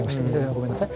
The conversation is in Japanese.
ごめんなさい。